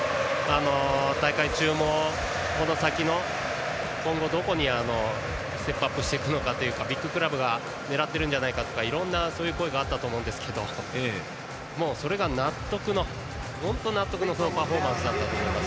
大会中も、この先今後どこにステップアップしていくのかとかビッグクラブが狙っているとかいろんな声があったと思いますがそれが納得のパフォーマンスだったと思います。